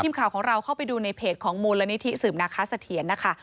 พิมพ์ของเราเข้าไปดูในเพจของมูลละนิติสืมนาคาสะเทียนนะคะ